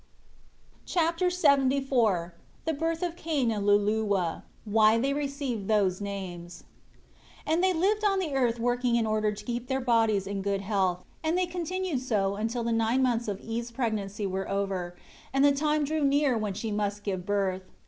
Chapter LXXIV The birth of Cain and Luluwa. Why they received those names. 1 And they lived on the earth working in order to keep their bodies in good health; and they continued so until the nine months of Eve's pregnancy were over, and the time drew near when she must give birth.